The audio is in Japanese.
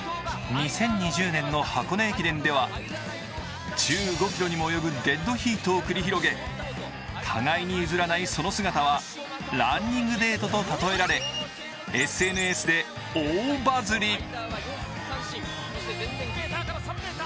２０２０年の箱根駅伝では、１５ｋｍにも及ぶデッドヒートを繰り広げ、互いに譲らないその姿はランニングデートと例えられＳＮＳで大バズり。